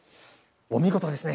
お見事ですね。